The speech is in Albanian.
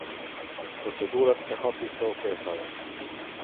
Procedurat e Hapjes së Ofertave.